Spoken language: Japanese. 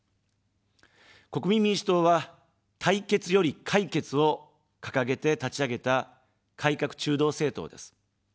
国民民主党は、対決より解決を掲げて立ち上げた改革中道政党です。